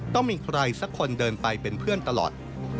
ต้องมีใครสักคนเดินไปเป็นเพื่อนตลอด